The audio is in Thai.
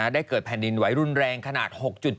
ได้เกิดแผ่นดินไหวรุนแรงขนาด๖๗